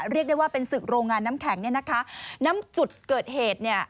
เรียกได้ว่าเป็นศึกโรงงานน้ำแข็งเนี่ยนะคะน้ำจุดเกิดเหตุเนี่ย